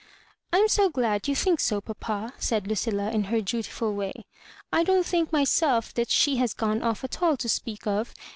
"lam so glad you think so, papa," said Lu cUla, in her dutiful way. "I don't think my self that she has gone off at all to speak of.